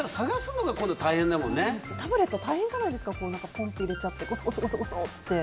タブレット大変じゃないですかポンって入れちゃってごそごそって。